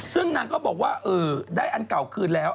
ซึ่งนางก็บอกว่าได้อันเก่าคืนแล้ว